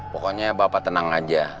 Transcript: pokoknya bapak tenang aja